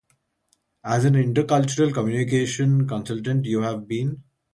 As an intercultural communication consultant, you have been